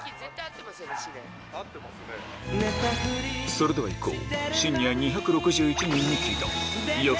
それではいこう！